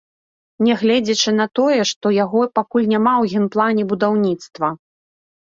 Нягледзячы на тое, што яго пакуль няма ў генплане будаўніцтва.